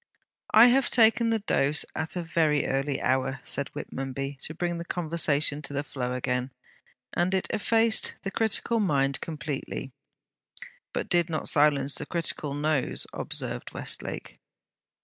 'I have taken the dose at a very early hour,' said Whitmonby, to bring conversation to the flow again, 'and it effaced the critical mind completely.' 'But did not silence the critical nose,' observed Westlake.